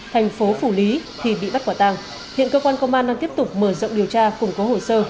thành phố phủ lý thì bị bắt quả tàng hiện cơ quan công an đang tiếp tục mở rộng điều tra cùng có hồ sơ